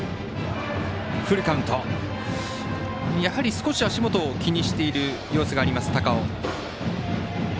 少し足元を気にしている様子があります、高尾。